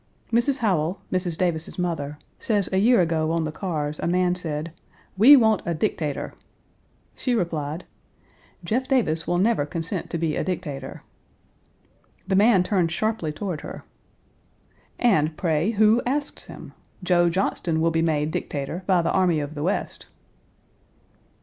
Mrs. Howell, Mrs. Davis's mother, says a year ago on the cars a man said, "We want a Dictator." She replied, "Jeff Davis will never consent to be a Dictator." The man turned sharply toward her "And, pray, who asks him? Joe Johnston will be made Dictator by the Army of the West."